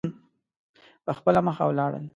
په خپله مخه ولاړل.